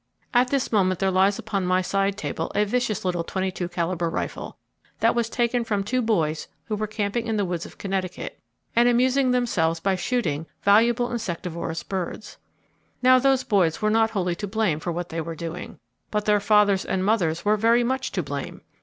At this moment there lies upon my side table a vicious little 22 calibre rifle that was taken from two boys who were camping in the woods of Connecticut, and amusing themselves by shooting valuable insectivorous birds. Now those boys were not wholly to blame for what they were doing; but their fathers and mothers were very much to blame!